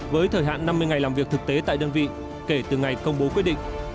với thời hạn năm mươi ngày làm việc thực tế tại đơn vị kể từ ngày công bố quyết định